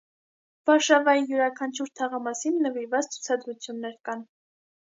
Վարշավայի յուրաքանչյուր թաղամասին նվիրված ցուցադրություններ կան։